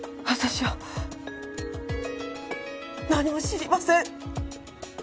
私は何も知りません。